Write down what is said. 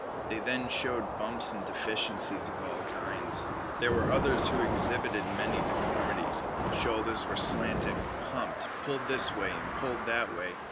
They then showed bumps and deficiencies of all kinds. There were others who exhibited many deformities. Shoulders were slanting, humped, pulled this way and pulled that way.